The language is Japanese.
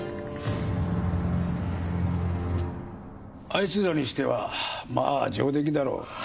あいつらにしてはまあ上出来だろ。